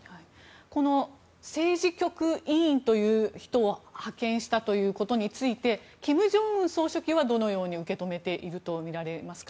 この政治局委員という人を派遣したということについて金正恩総書記はどのように受け止めているとみられますか。